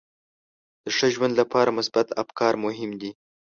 د ښه ژوند لپاره مثبت افکار مهم دي.